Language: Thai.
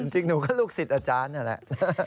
จริงหนูก็ลูกศิษย์อาจารย์นั่นแหละ